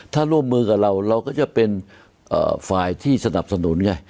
ถ้าร่วมมือกับเราเราก็จะเป็นฝ่ายที่สนับสนุนไง